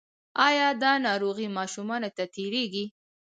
ایا دا ناروغي ماشومانو ته تیریږي؟